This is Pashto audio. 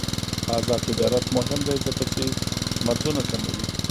آزاد تجارت مهم دی ځکه چې مرزونه کموي.